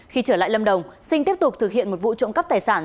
khi trở lại lâm đồng sinh tiếp tục thực hiện một vụ trộm cắp tài sản